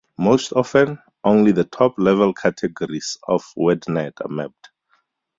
Most often, only the top-level categories of WordNet are mapped.